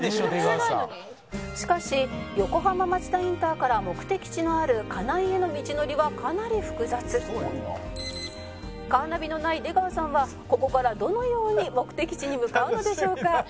「しかし横浜町田インターから目的地のある金井への道のりはかなり複雑」「カーナビのない出川さんはここからどのように目的地に向かうのでしょうか？」